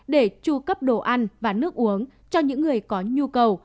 để tru cấp đồ ăn và nước uống cho những người có nhu cầu